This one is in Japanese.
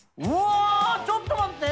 舛ちょっと待って！